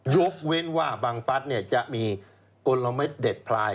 ยกเว้นว่าบางฟัดเนี่ยจะมีกลมเม็ดเด็ดพลาย